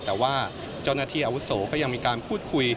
แต่ว่าเจ้าหน้าที่อาวุโสก็ยังมีการพูดคุย